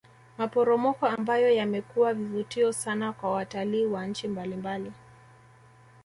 Maporomoko ambayo yamekuwa vivutio sana kwa watalii wa nchi mbalimbali